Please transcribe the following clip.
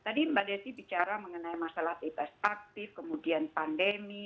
tadi mbak desi bicara mengenai masalah bebas aktif kemudian pandemi